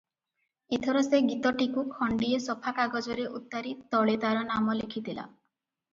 ଏଥର ସେ ଗୀତଟିକୁ ଖଣ୍ଡିଏ ସଫା କାଗଜରେ ଉତାରି ତଳେ ତାର ନାମ ଲେଖିଦେଲା-